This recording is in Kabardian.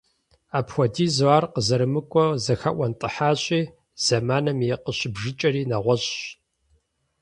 Апхуэдизу ар къызэрымыкIуэу зэхэIуэнтIыхьащи, зэманым и къыщыбжыкIэри нэгъуэщIщ.